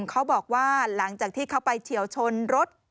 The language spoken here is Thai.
เขาบอกว่าหลังจากที่เขาไปเฉียวชนรถ